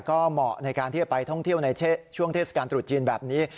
ก็เหมาะในการที่จะไปท่องเที่ยวในช่วงเทศกาลตรุษจีนแบบนี้